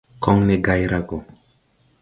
Kɔŋne gay ra gɔ.